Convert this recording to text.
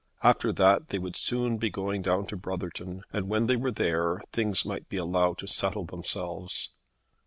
After that they would soon be going down to Brotherton, and when they were there things might be allowed to settle themselves.